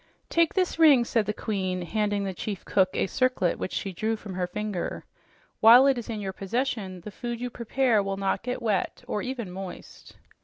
"Take this ring," said the Queen, handing the chief cook a circlet which she drew from her finger. "While it is in your possession, the food you prepare will not get wet, or even moist."